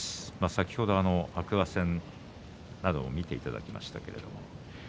先ほど天空海戦などを見ていただきましたね。